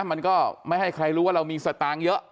มันก็ไม่ให้ใครรู้ว่าเรามีสตางค์เยอะ